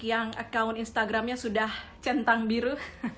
yang account instagramnya sudah centang biru